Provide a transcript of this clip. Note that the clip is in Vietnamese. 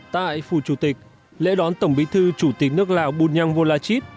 tại phủ chủ tịch lễ đón tổng bí thư chủ tịch nước lào bùn nhăng vô la chít